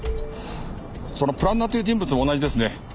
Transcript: そのプランナーという人物も同じですね。